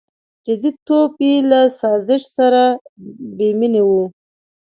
• جديتوب یې له سازش سره بېمینه و.